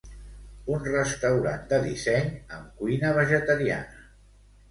Un restaurant de disseny, amb cuina vegetariana.